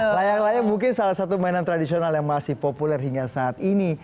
layang layang mungkin salah satu mainan tradisional yang masih populer hingga saat ini